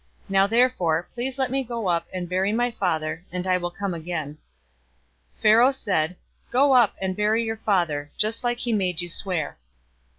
Now therefore, please let me go up and bury my father, and I will come again.'" 050:006 Pharaoh said, "Go up, and bury your father, just like he made you swear."